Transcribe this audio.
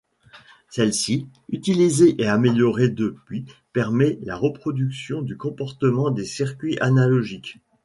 Celui-ci, utilisé et amélioré depuis, permet la reproduction du comportement des circuits analogiques.